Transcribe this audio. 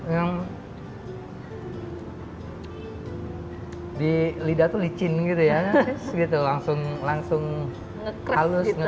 yang di lidah itu licin gitu ya langsung halus ngekres ya